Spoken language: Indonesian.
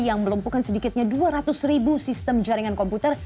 yang melumpuhkan sedikitnya dua ratus ribu sistem jaringan komputer